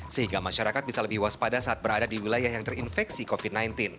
sehingga masyarakat bisa lebih waspada saat berada di wilayah yang terinfeksi covid sembilan belas